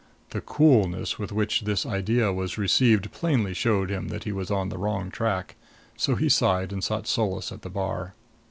The coolness with which this idea was received plainly showed him that he was on the wrong track; so he sighed and sought solace at the bar.